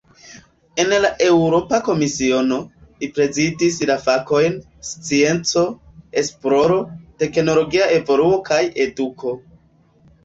En la Eŭropa Komisiono, li prezidis la fakojn "scienco, esploro, teknologia evoluo kaj eduko".